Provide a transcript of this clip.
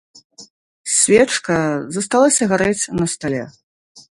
Свечка засталася гарэць на стале.